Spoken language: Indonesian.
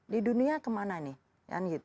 di dunia kemana nih